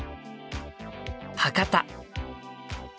博多。